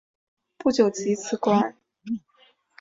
不久即辞官。